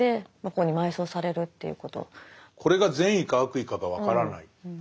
これが善意か悪意かが分からない。